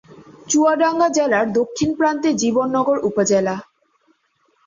চুয়াডাঙ্গা জেলার দক্ষিণ প্রান্তে জীবননগর উপজেলা।